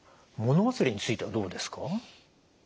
もの忘れについてはどうですか？